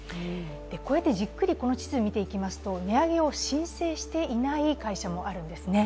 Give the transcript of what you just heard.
こうやってじっくりこの地図を見ていると値上げを申請していない会社もあるんですね。